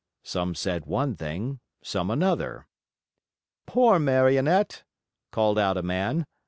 Some said one thing, some another. "Poor Marionette," called out a man.